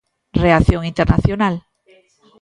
Reacción internacional.